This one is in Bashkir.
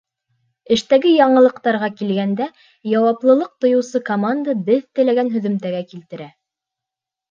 Эштәге яңылыҡтарға килгәндә, яуаплылыҡ тойоусы команда беҙ теләгән һөҙөмтәгә килтерә.